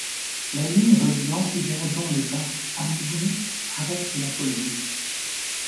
La ligne reliant Yverdon-les-Bains à Moudon traverse la commune.